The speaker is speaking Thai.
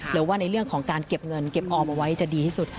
หรือว่าในเรื่องของการเก็บเงินเก็บออมเอาไว้จะดีที่สุด